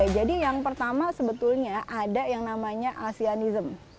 jadi yang pertama sebetulnya ada yang namanya asianism